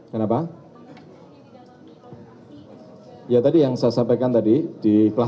karena memang fermented juga